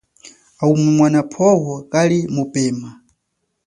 Au mwano pwo kali mupema.